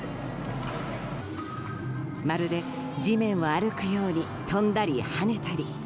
まるで地面を歩くように跳んだり跳ねたり。